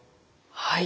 はい。